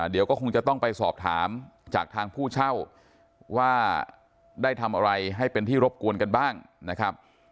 เดี๋ยวก็คงจะต้องไปสอบถามจากทางผู้เช่าว่าได้ทำอะไรให้เป็นที่รบกวนกันบ้างนะครับ